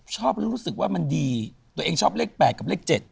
ชอบแล้วรู้สึกว่ามันดีตัวเองชอบเลข๘กับเลข๗